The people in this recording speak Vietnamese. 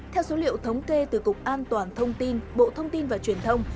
theo số liệu thống kê từ cục an toàn thông tin bộ thông tin và truyền thông